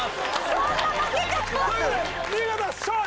そんな負け方？というわけで見事勝利。